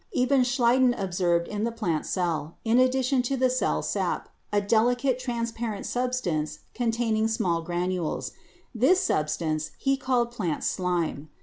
Even Schleiden observed in the plant cell, in addition to the cell sap, a delicate transparent substance containing small granules; this substance he called plant slime.